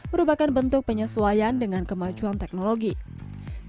merupakan bentuk penyesuaian dengan kemajuan musik dan teknologi yang diperlukan pada konser musik ini